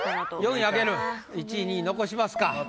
４位開ける１位２位残しますか。